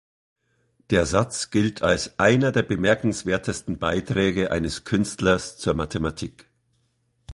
Der Satz gilt als einer der bemerkenswertesten Beiträge eines Künstlers zur Mathematik.